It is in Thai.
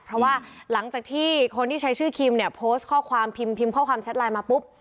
เพราะว่าหลังจากที่คนที่ใช้ชื่อคิมเนี่ยโพสต์ข้อความพิมพ์ข้อความแชทไลน์มาปุ๊บ